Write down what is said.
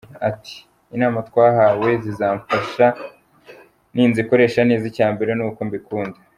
Ati “Inama twahawe zizamfasha ninzikoresha neza, icya mbere ni uko mbikunda.